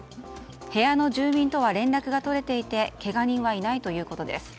部屋の住民とは連絡が取れていてけが人はいないということです。